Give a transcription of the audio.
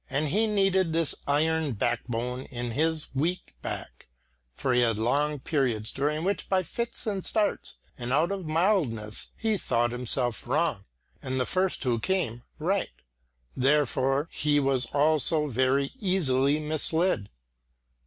And he needed this iron backbone in his weak back, for he had long periods during which by fits and starts and out of mildness he thought himself wrong, and the first who came, right; therefore, he was also very easily misled.